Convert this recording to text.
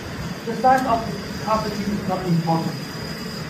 The size of the cavity is not important.